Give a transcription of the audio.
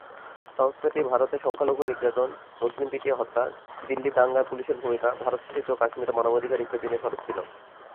সংস্থাটি ভারতে সংখ্যা লঘু নির্যাতন, মুসলিম পিটিয়ে হত্যা, দিল্লি দাঙ্গায় পুলিশের ভূমিকা, ভারত শাসিত কাশ্মীরের মানবাধিকার ইত্যাদি নিয়ে সরব ছিল।